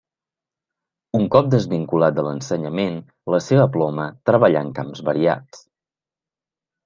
Un cop desvinculat de l'ensenyament, la seva ploma treballà en camps variats.